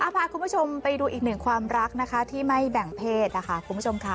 พาคุณผู้ชมไปดูอีกหนึ่งความรักนะคะที่ไม่แบ่งเพศนะคะคุณผู้ชมค่ะ